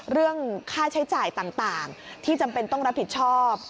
เรื่องค่าใช้จ่ายต่างที่จำเป็นต้องรับผิดชอบ